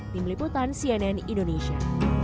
tim liputan cnn indonesia